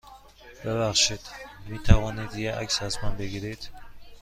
ببخشید، می توانید یه عکس از من بگیرید؟